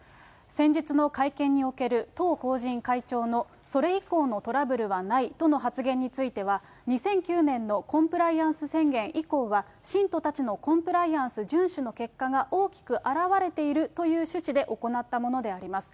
先日の会見における当法人会長のそれ以降のトラブルはないとの発言については、２００９年のコンプライアンス宣言以降は、信徒たちのコンプライアンス順守の結果が大きく表れているという趣旨で行ったものであります。